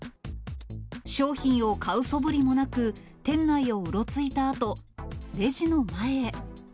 商品を買うそぶりもなく、店内をうろついたあと、レジの前へ。